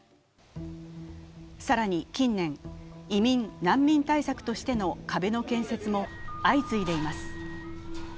更に近年、移民・難民対策としての壁の建設も相次いでいます。